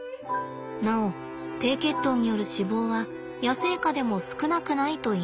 なお低血糖による死亡は野生下でも少なくないといいます。